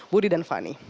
budi dan fani